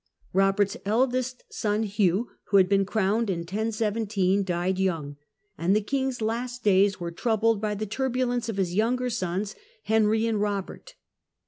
Eobert's eldest son Hugh, who had been crowned in 1017, died young, and the King's last days were troubled by the turbulence of his younger sons, Henry and Eobert.